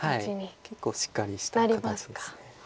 結構しっかりした形です。